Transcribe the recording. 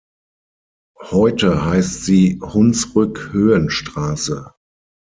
Heute heißt sie Hunsrückhöhenstraße.